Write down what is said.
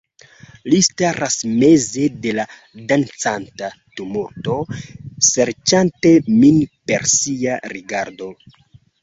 Li staras meze de la dancanta tumulto, serĉante min per sia rigardo..